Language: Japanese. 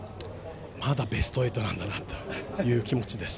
まだベスト８なんだなという気持ちです。